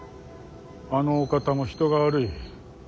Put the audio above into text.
あのお方も人が悪い。